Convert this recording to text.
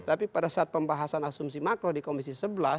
tapi pada saat pembahasan asumsi makro di komisi sebelas